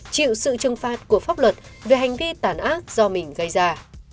chịu sự trừng phạt của pháp luật về hành vi tàn ác do mình gây ra